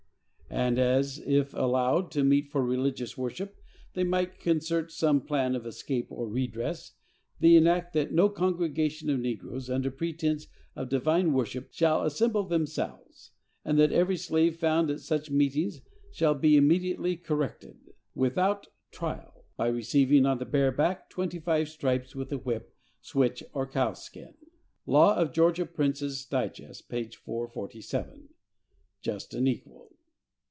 And as, if allowed to meet for religious worship, they might concert some plan of escape or redress, they enact that "no congregation of negroes, under pretence of divine worship, shall assemble themselves; and that every slave found at such meetings shall be immediately corrected, without trial, by receiving on the bare back twenty five stripes with a whip, switch or cowskin." (Law of Georgia. Prince's Digest, p. 447.)—Just and equal!